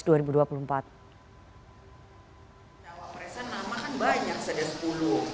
tawa presen nama kan banyak sudah sepuluh